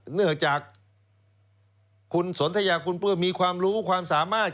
เนื่องจากคุณสนทยาคุณปลื้มมีความรู้ความสามารถ